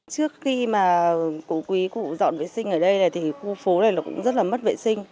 trước khi mà cụ quý cụ dọn vệ sinh ở đây này thì khu phố này cũng rất là mất vệ sinh